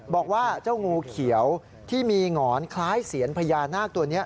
บอกว่าเจ้างูเขียวที่มีหงอนคล้ายเสียนพญานาคตัวนี้